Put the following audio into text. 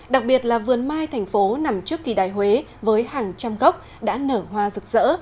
đặc biệt là vườn mai thành phố nằm trước kỳ đài huế với hàng trăm gốc đã nở hoa rực rỡ